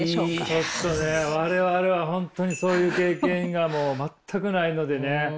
ちょっとね我々は本当にそういう経験がもう全くないのでね。